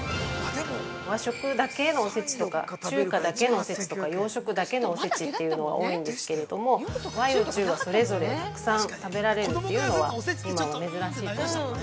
◆和食だけのおせちとか中華だけのおせちとか洋食だけのおせちっていうのは多いんですけれども、和洋中がそれぞれたくさん食べられるっていうのは今は珍しいと思います。